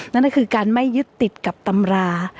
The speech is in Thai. นั่นอาจเป็นการไม่ยึดติดกับตำรา